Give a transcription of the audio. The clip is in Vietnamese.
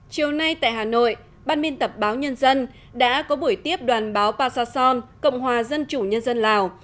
chiều nay tại hà nội ban biên tập báo nhân dân đã có buổi tiếp đoàn báo passason cộng hòa dân chủ nhân dân lào